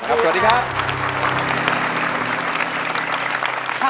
ผักบุ้งครั้งนี้จะนั่งหรือจะยืน